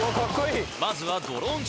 まずはドローンチーム。